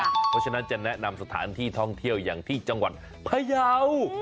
เพราะฉะนั้นจะแนะนำสถานที่ท่องเที่ยวอย่างที่จังหวัดพยาว